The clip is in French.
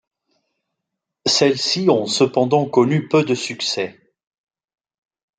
Celles-ci ont cependant connu peu de succès.